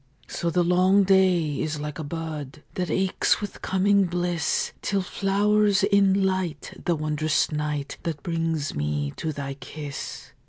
So the long day is like a bud That aches with coming bliss, Till flowers in light the wondrous night That brings me to thy kiss.